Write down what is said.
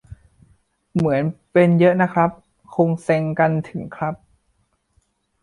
เหมือนเป็นเยอะนะครับ คงเซ็งกันถึง ครับ